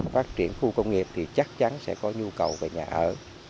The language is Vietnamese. phát triển khu công nghiệp thì chắc chắn sẽ có nhu cầu về nhà ở